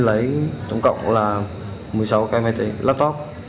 lấy tổng cộng là một mươi sáu cái laptop